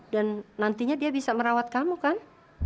dan nantinya dia bisa merawat kamu kan